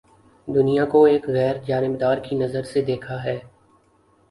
دنیا کو ایک غیر جانبدار کی نظر سے دیکھا ہے